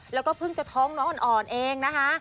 แล้วก็เพิ่งจะท้องน้องอ่อนเองนะคะ